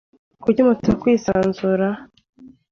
Kuki mutakwisanzura?